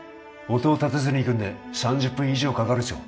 音を立てずに行くんで３０分以上かかるでしょう